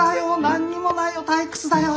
何にもないよ？